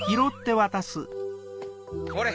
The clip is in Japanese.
ほれ！